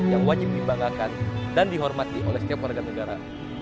yang wajib dibanggakan dan dihormati oleh setiap warga negara